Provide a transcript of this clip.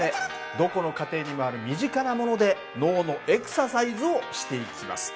どこの家庭にもある身近なもので脳のエクササイズをしていきます。